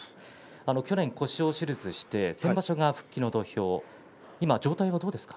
去年、腰を手術して先場所復帰の土俵で状態はどうですか。